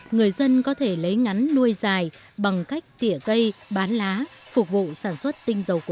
người dân có thể lấy ngắn nuôi dài bằng cách tỉa cây bán lá phục vụ sản xuất tinh dầu quế